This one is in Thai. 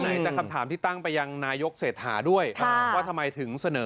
ไหนจะคำถามที่ตั้งไปยังนายกเศรษฐาด้วยว่าทำไมถึงเสนอ